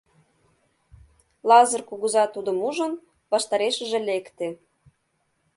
Лазыр кугыза, тудым ужын, ваштарешыже лекте.